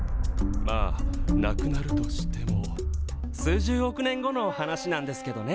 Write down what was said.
まあなくなるとしても数十億年後の話なんですけどね。